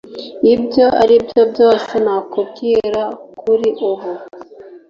ibyo aribyo byose nakubwira kuri ubu